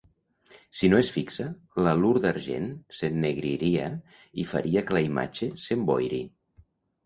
Si no es fixa, l'halur d'argent s'ennegriria i faria que la imatge s'emboiri.